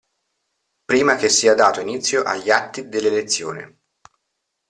Prima che sia dato inizio agli atti dell'elezione.